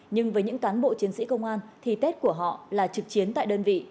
nhưng với những cán bộ chiến sĩ công an thì tết của họ là trực chiến tại đơn vị